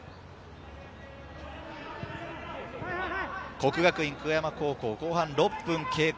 國學院久我山高校、後半６分経過。